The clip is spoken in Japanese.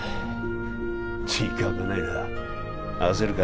時間がないな焦るか？